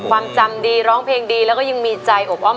ความจำดีร้องเพลงดีแล้วก็ยังมีใจอบอ้อม